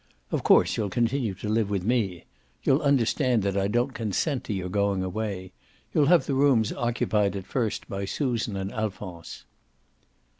"Of course you'll continue to live with me. You'll understand that I don't consent to your going away. You'll have the rooms occupied at first by Susan and Alphonse."